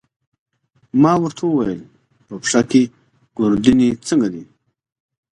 ما ورته وویل: په پښه کې، ګوردیني څنګه دی؟